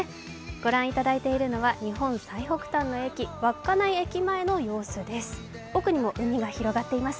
御覧いただいているのは日本最北端の駅、稚内駅前の様子です。